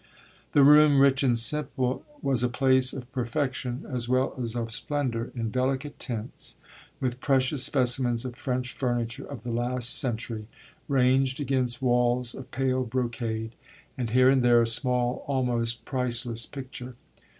The room, rich and simple, was a place of perfection as well as of splendour in delicate tints, with precious specimens of French furniture of the last century ranged against walls of pale brocade, and here and there a small, almost priceless picture.